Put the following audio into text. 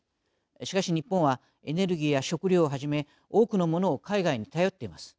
しかし、日本はエネルギーや食糧をはじめ多くのものを海外に頼っています。